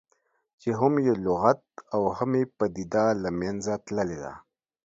چې هم یې لغت او هم یې پدیده له منځه تللې ده.